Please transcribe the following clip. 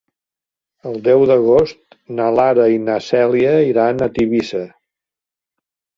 El deu d'agost na Lara i na Cèlia iran a Tivissa.